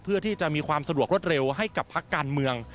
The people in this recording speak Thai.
เพื่อที่จะมีความสะดวกรวดเร็วให้กับพักการเมือง